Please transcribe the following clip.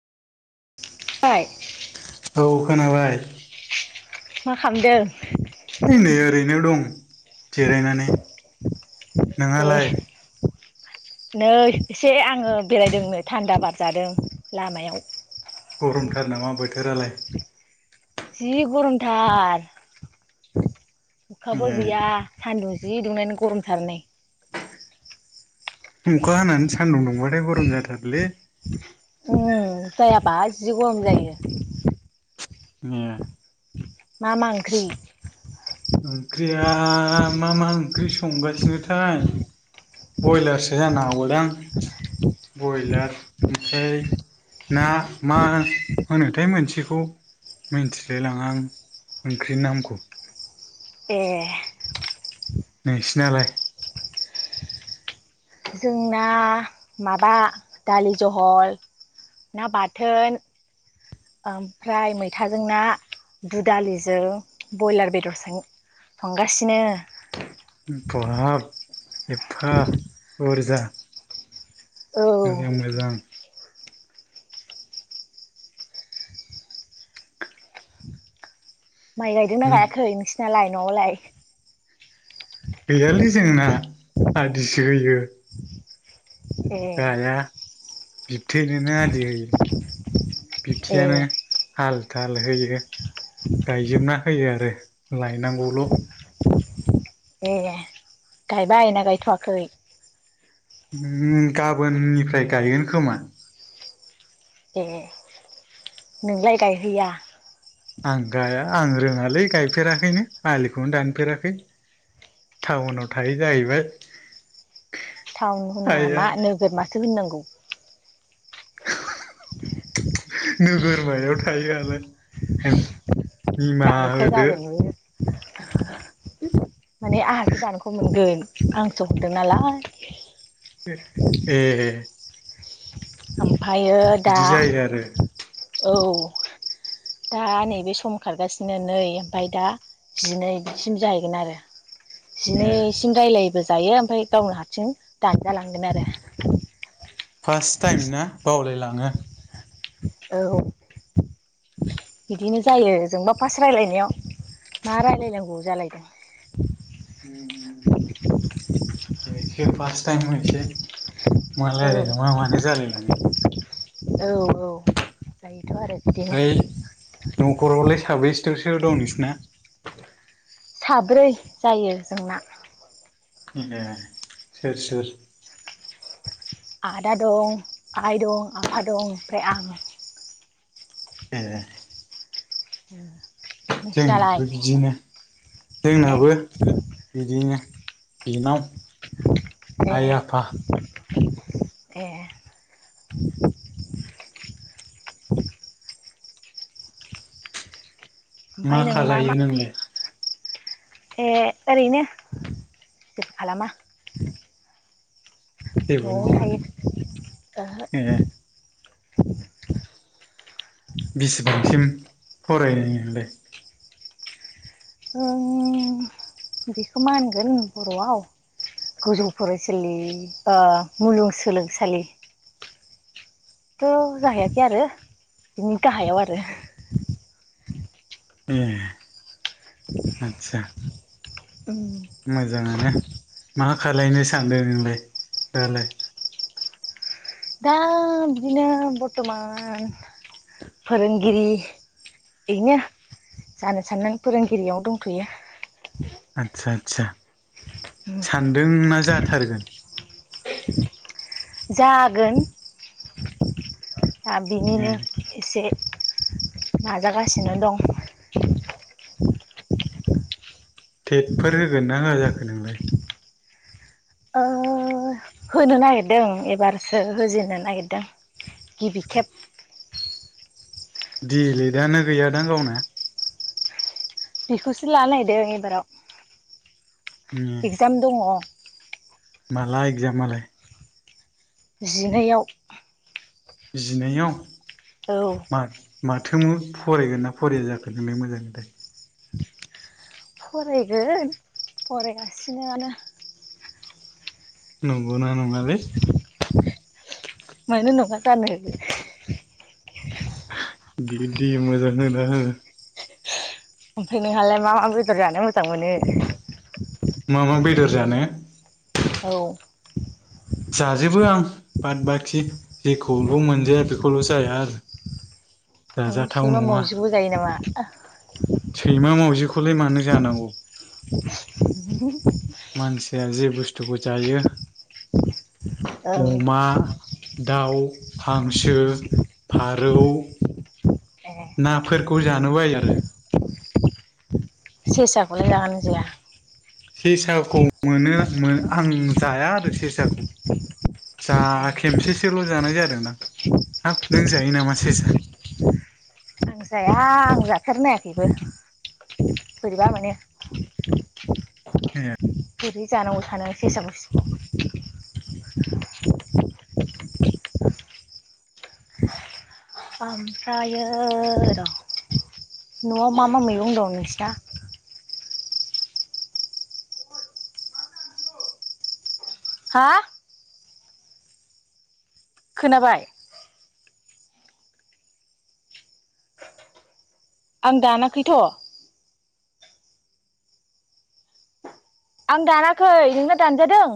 [unintelligible] औ खोनाबाय। मा खालामदों? है नै ओरैनो दं। जिरायनानै ए नोंहालाय? नै एसे आङो बेरायदोंनो थान्दा बारजादों लामायाव। गरमथार नामा बोथोरालाय? जि गरमथार अखाबो ए गैया सान्दुं जि दुंनानै गरमथार नै अखा हानानै सान्दुं दुंबाथाय गरम जाथारोलै। ओं जायाब्ला जि गरम जायो। ओम। मा मा ओंख्रि? ओंख्रिया मा मा ओंख्रि संगासिनोथाय बयलारसो जानो हागौदां बयलार ओमफ्राय ना मा होनो होनोथाय मोनसेखौ। मिन्थिलाय लाङा आं ओंख्रिनि नामखौ। ए। नोंसिनालाय? जोंना माबा दालि जहल ना बाथोन ओमफ्राय मैथाजों ना दुदालिजों बयलार बेदरजों संगासिनो। बाब एफा बुर्जा औ मोजां मोजां। माइ गायदोंना उम गायाखै नोंसिनालाय न'आवलाय? गैयालै जोंना आदिसो होयो। ए गाया बिबथैनोनो आदि होयो। ए बिबथियानो हाल थाल होयो गायजोबना फैयो आरो लायनांगौल'। ए गायबाय ना गायथ'वाखै? उम गाबोननिफ्राय गायगोन खोमा ए नोंलाय गायहैया? आं गाया आं रोंङालै गायफेराखैनो आलिखौनो दानफेराखै टाउनाव थायो जाहैबाय। टाउन होना आइआ मा नोगोरमासो होननांगौ। हो हो हो हो हो नोगोरमायाव थायोनालाय। निमाहा दानख' होदो। जागोन बेयो माने आंहासो दानखौ मोनगोन। आंसो हरदोंनालाय ए ओमफ्रायो दा बिदि जायो आरो औ। दा नैबे सम खारगासिनो नै ओमफ्राय दा जिनैसिम जाहैगोन आरो ए जिनै इसिं रायलायोबा जों। जायो ओमफ्राय गावनो हारसिं दानजालांगोन आरो फार्स्ट टाइम ना बावलायलांङो। औ बिदिनो जायो। जोंबा फार्स्ट रायलायनायाव मा रायलायनांगौ जालाय उम उम दोनैसो फार्स्ट टाइम मोनसे मा औ लायरायनो मा मानो जालायलांङो। औ औ जायोथ' आरो बिदिनो ओमफ्राय न'खरावलाय साबैसेथ'सो दं नोंसिना? साब्रै जायो जोंना ए सोर सोर। आदा दं आइ दं आफा दं ओमफ्राय आं ए [unintelligible] नोंसिनालाय जोंनाबो बिदिनो ए जोंनाबो बिदिनो। बिनानाव ए आइ आफा। ए मा ओमफ्राय नों खालायो मा नोंलाय? ए ओरैनो जेबो खालामा। जेबो न'आव मावा थायो। ओहो ए बिसिबांसिम फरायनाय नोंलाय? ओं बेखौ माहोनगोन बर'आव गोजौ फरायसालि ओ मुलुगसोलोंसालि थ' जाहैयाखै आरो बिनि गाहायाव आरो ए आतसा। ओं मोजांङानो मा खालायनो सानदों नोंलाय दालाय? दा बिदिनो बरथमान फोरोंगिरि बेनो जानो साननानै फोरोंगिरियाव दंथ'यो। आदसा आतसा सानदोंना? जाथारगोन। जागोन दा ए बिनिनो एसे नाजागासिनो दं। टेटफोर होगोन ना होआ जाखो नोंलाय।? ओ होनो नागिरदों एबारसो होजेननो नागिरदों। गिबि खेब दिलेटानो गैयादां गावना? बेखौसो ला नागिरदों ए एबाराव एगजाम दङ। मला एगजामालाय? जिनैयाव जिनैयाव? औ माथो फरायगोन ना फराया जाखो नोंलाय मोजांथाय? फरायगोन फरायगासिनो आनो। नगौना नंआलै? मानो नङा जानो। बिदि मोजांहोना हो। ओमफ्राय नोंहालाय मा मा बेदर जानो मोजां मोनो? मा मा बेदर जानो। औ जाजोबो आं बाद बाखि जेखौल' मोनजाया बेखौल' जाया आरो [inaudible] जाजाथाव सैमा नङा मावजिखौ जायो नामा सैमा मावजिखौलाय मा मानो जानांगौ मानसिया जे - बुस्थुखौ जायो औ अमा, दाउ- हांसो, फारौ ए नाफोरखौ जानो बायो आरो। सेसा खौलाय जागोनना जाया? सेसाखौ मोनो मो आं जाया आरो सेसाखौ जा ए खेनसेसोल' जानाय जादों। ओनथां हाब नों जायो नामा सेसा? आं जाया आं जाफेरनायाखैबो। बोरैबा मोनो ए जानो सानो सेसाखौ ओमफ्रायो र- न आव मा मा मैगं दं नोंसिना? हा खोनाबाय? आं दाना खैथ' आं दानाखै नोंना दानगोरदों?